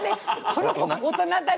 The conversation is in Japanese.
この子大人だね。